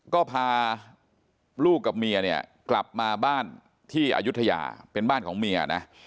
ก็พาลูกกับเมียเนี่ยกลับมาบ้านที่อายุทยาเป็นบ้านของเมียนะ